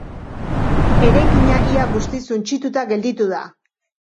Eraikina ia guztiz suntsituta gelditu da.